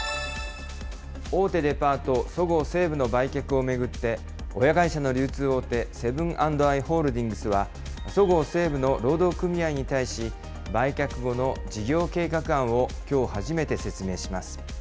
大手デパート、そごう・西武の売却を巡って、親会社の流通大手、セブン＆アイ・ホールディングスは、そごう・西武の労働組合に対し、売却後の事業計画案をきょう初めて説明します。